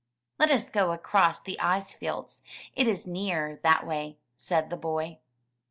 Let us go across the ice fields, it is nearer that way/' said the boy.